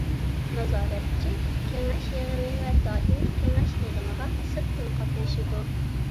نازارەتچى كېڭەش يىغىنى ۋە دائىمىي كېڭەش يىغىنىغا سىرتتىن قاتنىشىدۇ.